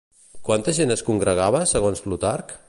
Quanta gent es congregava segons Plutarc?